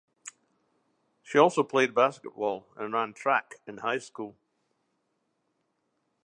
She also played basketball and ran track in high school.